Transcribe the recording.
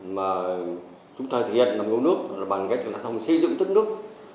mà chúng ta hiện là một nước bằng cái thông xây dựng tất nước